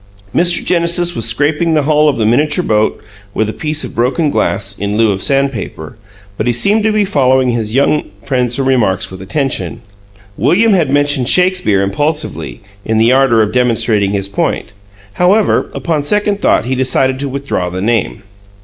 Mr. Genesis was scraping the hull of the miniature boat with a piece of broken glass, in lieu of sandpaper, but he seemed to be following his young friend's remarks with attention. William had mentioned Shakespeare impulsively, in the ardor of demonstrating his point; however, upon second thought he decided to withdraw the name.